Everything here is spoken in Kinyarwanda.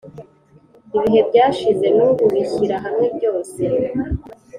ibihe byashize nubu bishyira hamwe byose